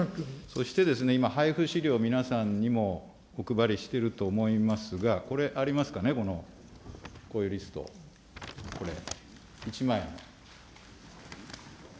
そしてですね、今、配布資料を皆さんにもお配りしてると思いますが、これありますかね、この、こういうリスト、これ、１枚。